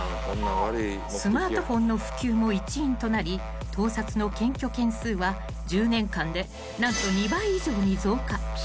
［スマートフォンの普及も一因となり盗撮の検挙件数は１０年間で何と２倍以上に増加］